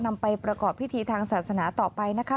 นำไปประกอบพิธีทางศาสนาต่อไปนะคะ